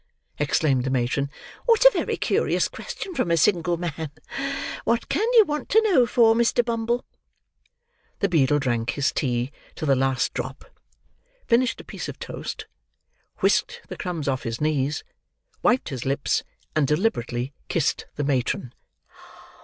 exclaimed the matron, "what a very curious question from a single man. What can you want to know for, Mr. Bumble?" The beadle drank his tea to the last drop; finished a piece of toast; whisked the crumbs off his knees; wiped his lips; and deliberately kissed the matron.